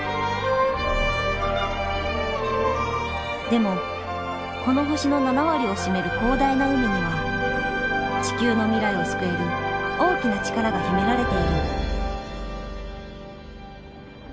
でもこの星の７割を占める広大な海には地球の未来を救える大きな力が秘められている。